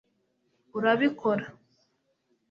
urabikora